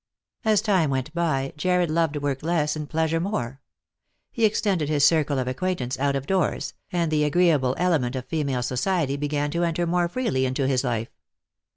As time went by, Jarred loved work less and pleasure more. He extended his circle of acquaintance out of doors, and the agreeable element of female society began to enter more freely Lost for Love. 267 into his life.